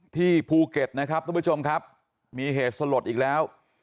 ที่ภูเก็ตนะครับทุกผู้ชมครับมีเหตุสลดอีกแล้ว